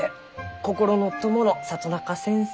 心の友の里中先生